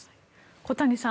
小谷さん